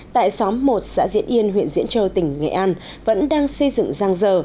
tại xóm một xã diện yên huyện diễn châu tỉnh nghệ an vẫn đang xây dựng ràng rờ